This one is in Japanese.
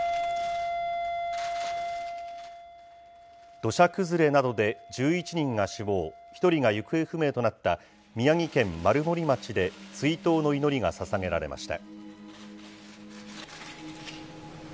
土砂崩れなどで１１人が死亡、１人が行方不明となった、宮城県丸森町で追悼の祈りがささげられました。